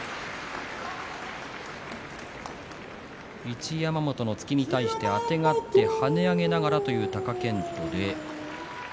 一山本の突きに対してあてがって跳ね上げながらという貴健斗でした。